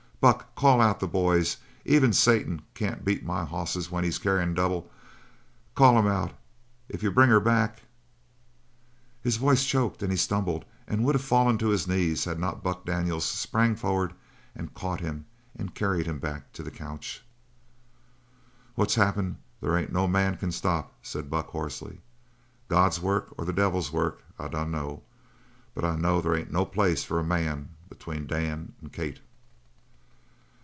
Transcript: "Buck, call out the boys. Even Satan can't beat my hosses when he's carryin' double call'em out if you bring her back " His voice choked and he stumbled and would have fallen to his knees had not Buck Daniels sprang forward and caught him and carried him back to the couch. "What's happened there ain't no man can stop," said Buck hoarsely. "God's work or devil's work I dunno but I know there ain't no place for a man between Dan and Kate."